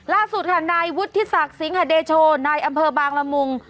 ล่าสุดค่ะนายวุฒิศักดิ์สิงหาเดโชนายอำเภอบางละมุง